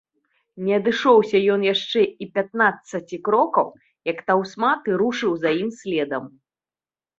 Не адышоўся ён яшчэ і пятнаццаці крокаў, як таўсматы рушыў за ім следам.